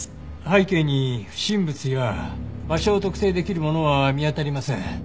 背景に不審物や場所を特定できるものは見当たりません。